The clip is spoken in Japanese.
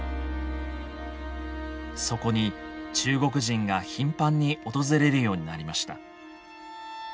そこに中国人が頻繁に訪れるようになりました。